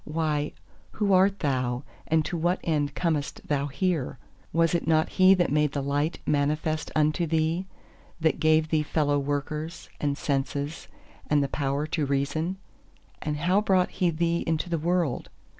Why, who art thou, and to what end comest thou here? was it not He that made the Light manifest unto thee, that gave thee fellow workers, and senses, and the power to reason? And how brought He thee into the world?